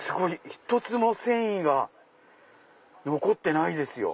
一つも繊維が残ってないですよ。